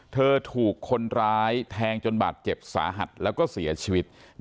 ถูกคนร้ายแทงจนบาดเจ็บสาหัสแล้วก็เสียชีวิต